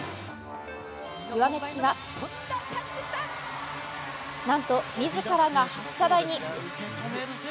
極め付きはなんと自らが発射台に。